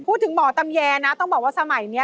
พูดถึงหมอตำแยนะต้องบอกว่าสมัยนี้